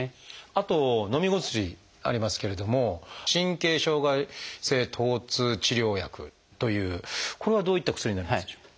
あとのみ薬ありますけれども神経障害性とう痛治療薬というこれはどういった薬になりますでしょうか？